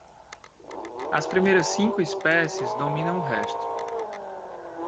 As primeiras cinco espécies dominam o resto.